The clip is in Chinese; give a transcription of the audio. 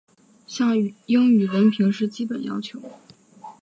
像英语文凭是基本要求。